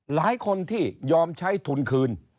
หลายคนที่ยอมใช้ทุนคืน